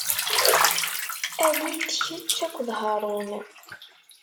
Ali-d kečč akked Haṛun.